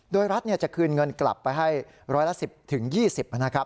โดยรัฐจะคืนเงินกลับไปให้ร้อยละ๑๐๒๐นะครับ